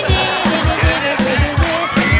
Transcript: ดีหรือเป็นคนหนัง